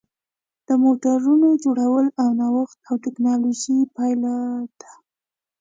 د موټرونو جوړول د نوښت او ټېکنالوژۍ پایله ده.